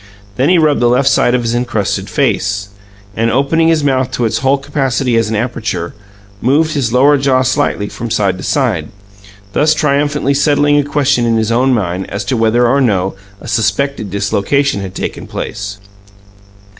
Then he rubbed the left side of his encrusted face, and, opening his mouth to its whole capacity as an aperture, moved his lower jaw slightly from side to side, thus triumphantly settling a question in his own mind as to whether or no a suspected dislocation had taken place.